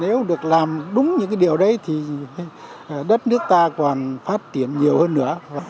nếu được làm đúng những điều đấy thì đất nước ta còn phát tiến nhiều hơn nữa